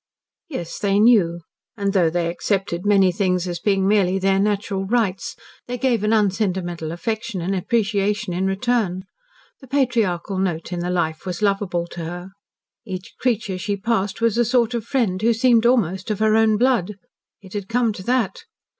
Yes, they knew. And though they accepted many things as being merely their natural rights, they gave an unsentimental affection and appreciation in return. The patriarchal note in the life was lovable to her. Each creature she passed was a sort of friend who seemed almost of her own blood. It had come to that.